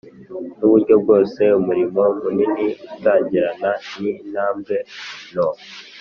nuburyo bwose umurimo munini, utangirana nintambwe nto.